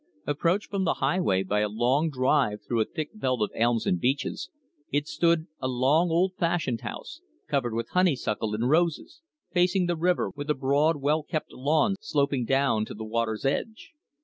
Approached from the highway by a long drive through a thick belt of elms and beeches, it stood, a long, old fashioned house, covered with honeysuckle and roses, facing the river, with a broad, well kept lawn sloping down to the water's edge.